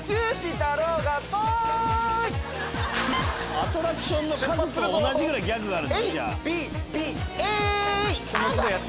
アトラクションの数と同じぐらいギャグがある？